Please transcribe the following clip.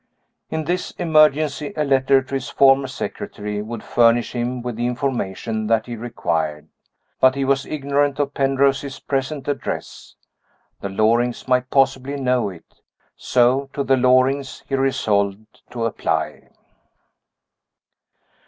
In this emergency a letter to his former secretary would furnish him with the information that he required. But he was ignorant of Penrose's present address. The Lorings might possibly know it so to the Lorings he resolved to apply.